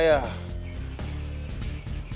ya udah ituh